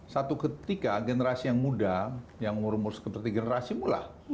satu ketika generasi yang muda yang umur umur seperti generasi muda